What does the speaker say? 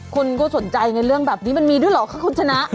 คนก็สนใจไงเรื่องแบบนี้มันมีด้วยเหรอคะคุณชนะ